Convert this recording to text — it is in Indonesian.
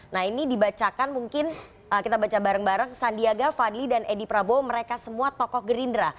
nah ini dibacakan mungkin kita baca bareng bareng sandiaga fadli dan edi prabowo mereka semua tokoh gerindra